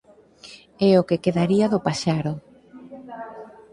É o que quedaría do paxaro.